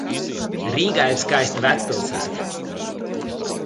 Rīgā ir skaista vecpilsēta.